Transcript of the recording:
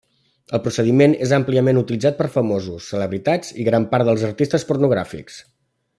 El procediment és àmpliament utilitzat per famosos, celebritats i gran part dels artistes pornogràfics.